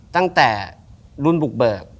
ตั้งแต่รุ่นบุกเบิก